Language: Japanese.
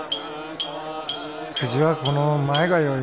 くじはこの前がよい。